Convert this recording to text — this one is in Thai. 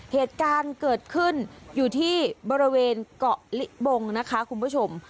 เหตุการณ์เกิดขึ้นอยู่ที่บริเวณเกาะลิบงนะคะคุณผู้ชม